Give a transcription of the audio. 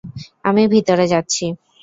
আমি ভিতরে যাচ্ছি।